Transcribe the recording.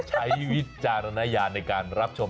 วิจารณญาณในการรับชม